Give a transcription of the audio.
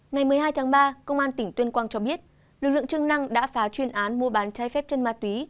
ngày một mươi hai tháng ba công an tỉnh tuyên quang cho biết lực lượng chức năng đã phá chuyên án mua bán trái phép chân ma túy